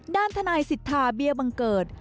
ด้านทนายสิทธาเบี้ยบังเกิด